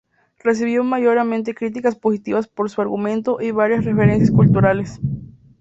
Recibió mayoritariamente críticas positivas por su argumento y varias referencias culturales.